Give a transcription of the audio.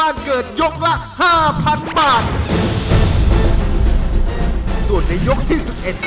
ในยกที่สุดเอ็ด